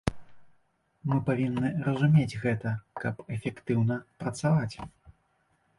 Мы павінны разумець гэта, каб эфектыўна працаваць.